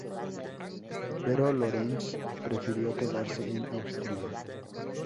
Pero Lorenz prefirió quedarse en Austria.